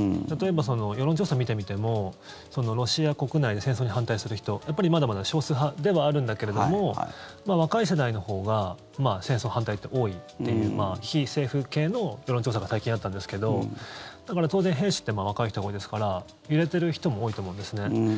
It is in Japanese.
例えば、世論調査を見てみてもロシア国内で戦争に反対する人やっぱりまだまだ少数派ではあるんだけど若い世代のほうが戦争反対って多いっていう非政府系の世論調査が最近あったんですけどだから、当然、兵士って若い人が多いですから揺れてる人も多いと思うんですね。